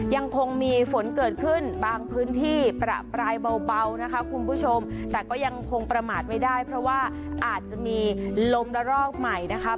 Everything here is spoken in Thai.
ยังคงมีฝนเกิดขึ้นบางพื้นที่ประปรายเบานะคะคุณผู้ชมแต่ก็ยังคงประมาทไม่ได้เพราะว่าอาจจะมีลมระรอกใหม่นะคะ